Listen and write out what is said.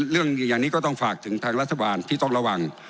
เรื่องอย่างนี้ก็ต้องฝากถึงทางรัฐบาลที่ต้องระวัง